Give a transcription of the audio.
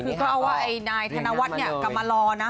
คือต้องว่านายธนวัตรกลับมาลองนะ